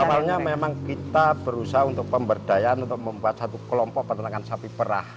awalnya memang kita berusaha untuk pemberdayaan untuk membuat satu kelompok peternakan sapi perah